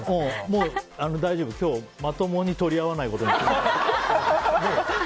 大丈夫、今日はまともに取り合わないことにした。